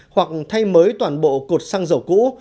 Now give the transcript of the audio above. hoặc thay mới toàn bộ cột xăng dầu cũ